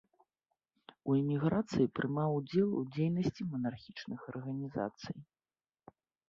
У эміграцыі прымаў удзел у дзейнасці манархічных арганізацый.